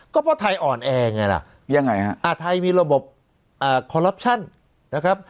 ก็เพราะไทยอ่อนแอไงล่ะยังไงฮะอ่าไทยมีระบบคอลลับชั่นนะครับ